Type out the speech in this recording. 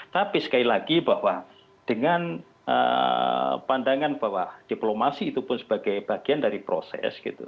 tapi sekali lagi bahwa dengan pandangan bahwa diplomasi itu pun sebagai bagian dari proses gitu